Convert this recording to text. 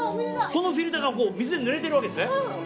このフィルターが水でぬれているわけですね。